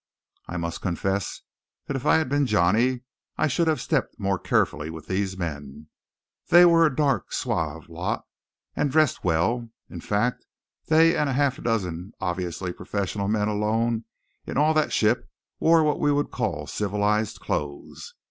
I must confess that if I had been Johnny I should have stepped more carefully with these men. They were a dark, suave lot, and dressed well. In fact, they and a half dozen obviously professional men alone in all that ship wore what we would call civilized clothes.